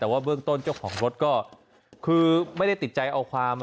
แต่ว่าเบื้องต้นเจ้าของรถก็คือไม่ได้ติดใจเอาความ